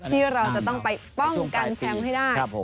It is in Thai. ที่เราจะต้องไปป้องกันแชมป์ให้ได้